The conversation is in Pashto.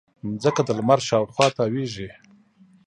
مځکه د لمر شاوخوا تاوېږي.